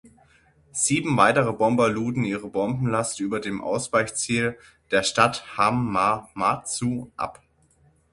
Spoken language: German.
Sieben weitere Bomber luden ihre Bombenlast über dem Ausweichziel, der Stadt Hamamatsu, ab.